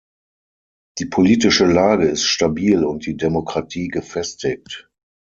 Die politische Lage ist stabil und die Demokratie gefestigt.